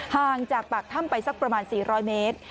ห่างจากปากถ้ำไปสักประมาณ๔๐๐เมตร